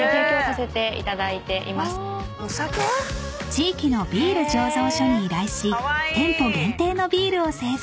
［地域のビール醸造所に依頼し店舗限定のビールを製造］